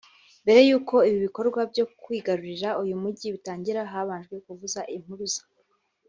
Mbere y’uko ibikorwa byo kwigarurira uyu mugi bitangira habaje kuvuzwa impuruza